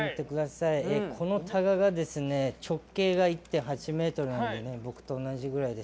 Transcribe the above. このタガが直径１．８ｍなので僕と同じぐらいです。